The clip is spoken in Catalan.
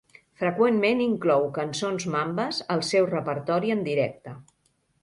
Freqüentment inclou cançons mambes al seu repertori en directe.